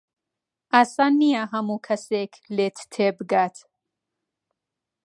ئاسان نییە هەموو کەسێک لێت تێبگات.